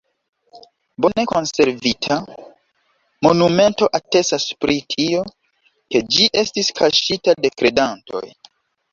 Bone konservita monumento atestas pri tio, ke ĝi estis kaŝita de kredantoj.